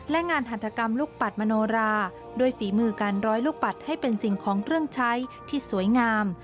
และงานหัฐกรรมลูกปัดมโนราด้วยฝีมือการร้อยลูกปัดให้เป็นสิ่งของเครื่องใช้ที่สวยงาม